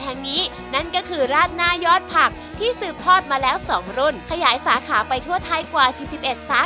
แห่งนี้นั่นก็คือราศนายอดผักที่ซื้อคัทมาแล้วสองรุ่นขยายสาขาไปทั่วไทยกว่าอันดับ๑๑ซา